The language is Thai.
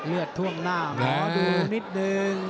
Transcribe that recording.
เลือดท่วงหน้าหมอดูนิดนึง